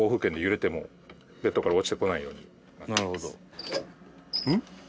「なるほど」